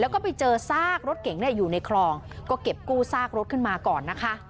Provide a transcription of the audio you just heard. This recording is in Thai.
แล้วก็ไปเจอซากรถเก๋งอยู่ในคลองก็เก็บกู้ซากรถขึ้นมาก่อนนะคะ